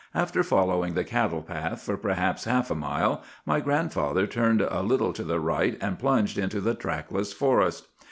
After following the cattle path for perhaps half a mile, my grandfather turned a little to the right and plunged into the trackless forest.